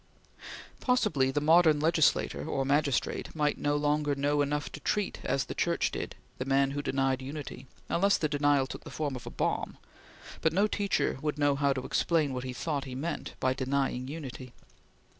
Possibly the modern legislator or magistrate might no longer know enough to treat as the Church did the man who denied unity, unless the denial took the form of a bomb; but no teacher would know how to explain what he thought he meant by denying unity.